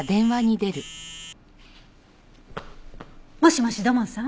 もしもし土門さん？